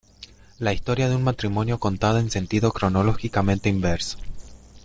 La historia de un matrimonio contada en sentido cronológicamente inverso.